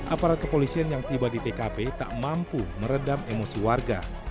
aparat kepolisian yang tiba di tkp tak mampu meredam emosi warga